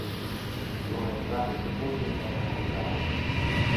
Sono entrambi sepolti nella cattedrale.